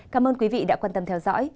cảm ơn quý vị đã quan tâm theo dõi